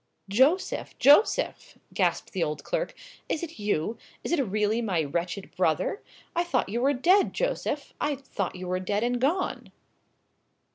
"Joseph!—Joseph!" gasped the old clerk; "is it you? Is it really my wretched brother? I thought you were dead, Joseph—I thought you were dead and gone!"